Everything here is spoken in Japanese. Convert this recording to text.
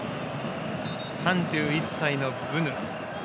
３１歳のブヌ。